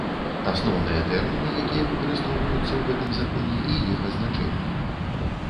Асноўныя тэрмiны, якiя выкарыстоўваюцца ў гэтым Законе, i iх азначэннi.